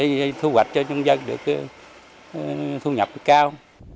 để thu hoạch cho nhân dân được thu nhập cao